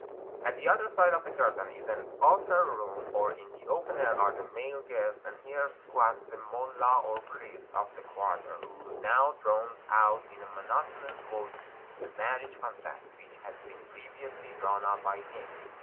At the other side of the curtain, in an outer room or in the open air, are the male guests; and here squats the mullah or priest of the quarter, who now drones out in a monotonous voice the marriage contract, which has been previously drawn up by him.